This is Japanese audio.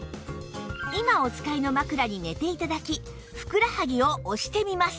今お使いの枕に寝て頂きふくらはぎを押してみます